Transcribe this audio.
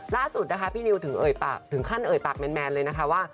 ล่าสุดนะคะพี่นิวถึงเมนเมนเลยนะคะว่า